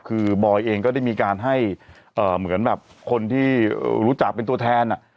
คือบอยเองก็ได้มีการให้เหมือนแบบคนที่รู้จักเป็นตัวแทน